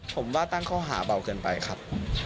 ผมว่าตั้งข้อหาเบาเกินไปครับ